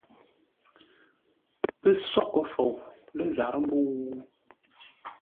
Pə́ sóghʼə fou lə́ zarə́ mbə̂u ?